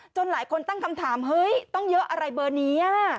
หลายคนตั้งคำถามเฮ้ยต้องเยอะอะไรเบอร์นี้